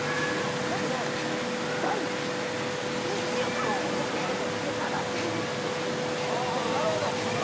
だけど「第１億問！」とか言っちゃうといや長すぎる！みたいななんか。なるほど！